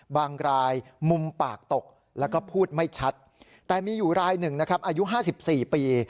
บางรายมุมปากตกแล้วก็พูดไม่ชัดแต่มีอยู่รายหนึ่งนะครับอายุ๕๔ปี